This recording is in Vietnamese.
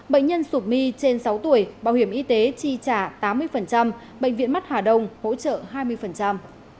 bệnh nhân sụp my trên sáu tuổi bảo hiểm y tế chi trả tám mươi bệnh viện mắt hà đông hỗ trợ hai mươi